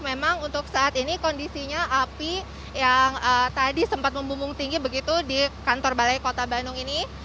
memang untuk saat ini kondisinya api yang tadi sempat membumbung tinggi begitu di kantor balai kota bandung ini